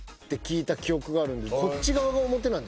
聞いた記憶があるんで。